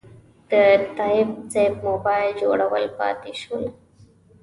د تایب صیب موبایل جوړول پاتې شول.